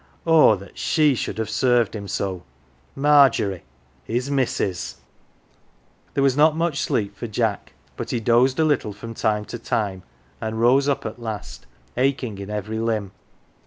Oh, that she should have served him so Margery, his missus ! There was not much sleep for Jack, but he dozed a little from time to time, and rose up at last, aching in every limb.